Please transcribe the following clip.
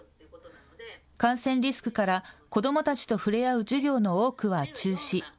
感染リスクから、子どもたちと触れ合う授業の多くは中止。